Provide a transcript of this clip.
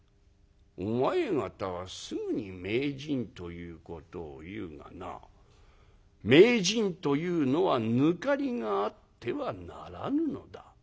「お前方はすぐに名人ということを言うがな名人というのは抜かりがあってはならぬのだ。